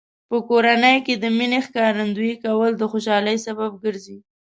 په کورنۍ کې د مینې ښکارندوی کول د خوشحالۍ سبب ګرځي.